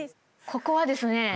ここはですね